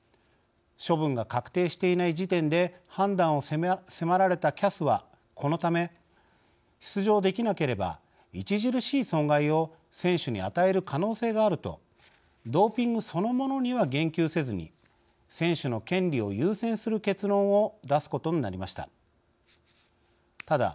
処分が確定していない時点で判断を迫られたＣＡＳはこのため「出場できなければ著しい損害を選手に与える可能性がある」とドーピングそのものには言及せずに選手の権利を優先する結論を出すことになりました。